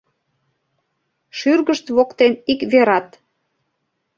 Шӱргышт воктен ик верат